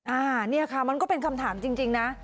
อันนี้ค่ะมันก็เป็นคำถามจริงนะ